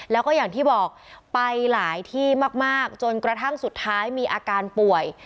แล้วก็อย่างที่บอกไปหลายที่มากจนกระทั่งสุดท้ายมีอาการป่วย